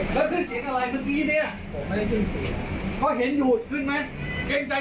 เขาขอโทษอย่างไรเป็นไงคนไทย